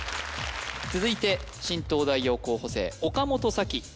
続いて新東大王候補生岡本沙紀